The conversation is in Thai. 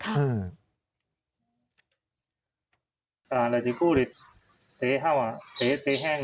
คุณครูเตะแห้งหรือไม่แห้ง